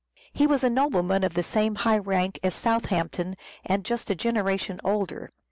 He was a noble man of the same high rank as Southampton and just a generation older.